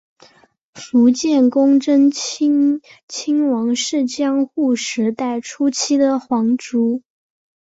伏见宫贞清亲王是江户时代初期的皇族。